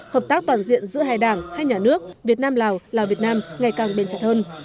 hợp tác toàn diện giữa hai đảng hai nhà nước việt nam lào lào việt nam ngày càng bền chặt hơn